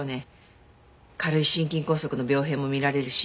軽い心筋梗塞の病変も見られるし。